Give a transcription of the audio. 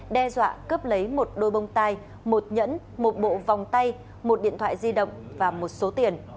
đe dọa cướp lấy một đôi bông tai một nhẫn một bộ vòng tay một điện thoại di động và một số tiền